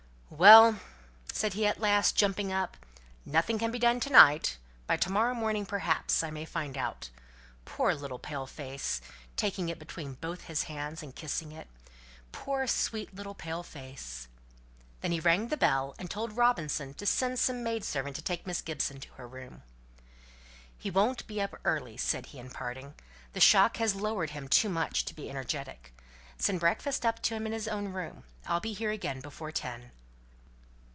"Well!" said he at last, jumping up, "nothing can be done to night; by to morrow morning, perhaps, I may find out. Poor little pale face!" taking it between both his hands and kissing it; "poor, sweet, little pale face!" Then he rang the bell, and told Robinson to send some maid servant to take Miss Gibson to her room. "He won't be up early," said he, in parting. "The shock has lowered him too much to be energetic. Send breakfast up to him in his own room. I'll be here again before ten."